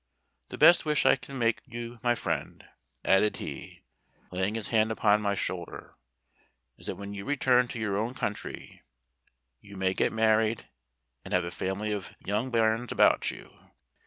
The best wish I can make you, my friend," added he, laying his hand upon my shoulder, "is, that when you return to your own country, you may get married, and have a family of young bairns about you.